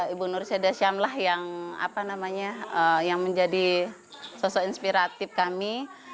ibu nursi dasham lah yang apa namanya yang menjadi sosok inspiratif kami